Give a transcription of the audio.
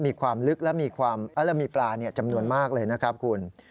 มีความลึกและมีปลาจำนวนมากเลยนะครับคุณ